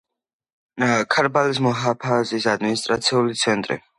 ქარბალის მუჰაფაზის ადმინისტრაციული ცენტრი.